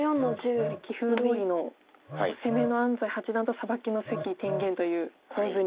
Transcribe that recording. やはり棋風どおりの攻めの安斎八段とサバキの関天元という構図に。